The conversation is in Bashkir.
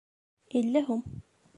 Илле һум